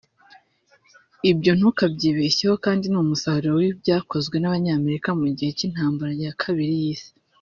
Ibyo ntukabyibeshyeho kandi ni umusaruro w’ibyakozwe n’abanyamerika mu gihe cy’intambara ya kabiri y’Isi